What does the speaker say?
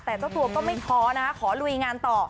แต่เจ้าตัวก็ไม่ท้อนะคะขอลุยงานต่อ